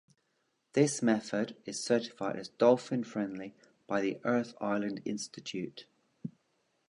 This method is certified as "dolphin friendly" by the Earth Island Institute.